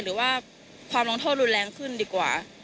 หรือว่าความลงโทษรุนแรงขึ้นดีกว่า